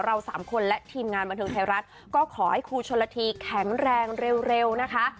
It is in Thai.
สามคนและทีมงานบันเทิงไทยรัฐก็ขอให้ครูชนละทีแข็งแรงเร็วนะคะ